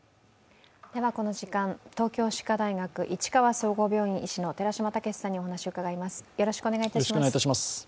この時間、東京歯科大学市川総合病院医師の寺嶋毅さんにお話を伺います。